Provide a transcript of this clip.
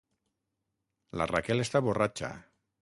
La Raquel està borratxa.